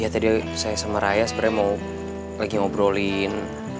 ya tadi saya sama raya sebenarnya mau lagi ngobrolin